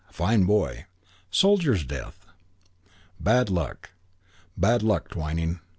Fine boy.... Soldier's death.... Bad luck. Bad luck, Twyning...."